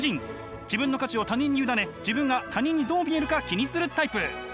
自分の価値を他人に委ね自分が他人にどう見えるか気にするタイプ。